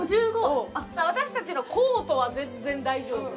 私たちのコートは全然大丈夫。